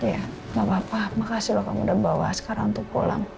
ya gapapa makasihlah kamu udah bawa askara untuk pulang